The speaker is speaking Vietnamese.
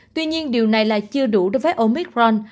tuy nhiên điều này là chưa đủ đối với omicron